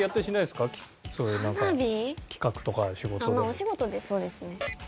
まあお仕事でそうですね。